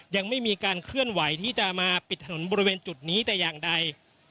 ยังไม่มีการเคลื่อนไหวที่จะมาปิดถนนบริเวณจุดนี้แต่อย่างใด